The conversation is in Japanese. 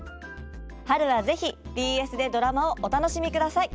春は是非ＢＳでドラマをお楽しみください！